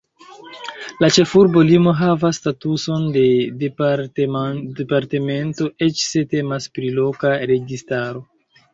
La ĉefurbo Limo havas statuson de departemento, eĉ se temas pri loka registaro.